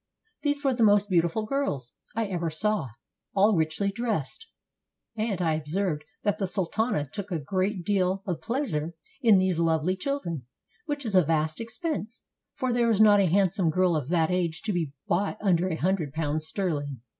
These were the most beautiful girls I ever saw, all richly dressed; and I observed that the sultana took a great deal of pleasure in these lovely children, which is a vast expense; for there is not a handsome girl of that age to be bought under a hundred pounds sterling.